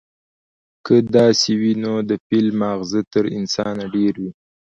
که داسې وي، نو د فيل ماغزه تر انسانه ډېر وي،